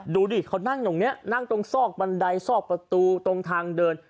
ดูดิเขานั่งตรงนี้นั่งตรงซอกบันไดซอกประตูตรงทางเดิน